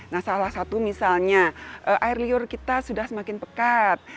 nah salah satu misalnya air liur kita sudah semakin pekat